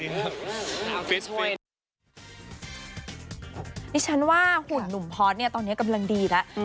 ดิฉันว่าหุ่นหนุ่มพอร์ตเนี่ยตอนนี้กำลังดีแล้ว